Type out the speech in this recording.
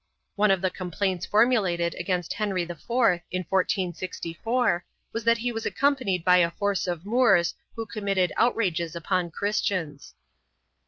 1 One of the complaints formulated against Henry IV, in 1464, was that he was accompanied by a force of Moors who committed outrages upon Christians.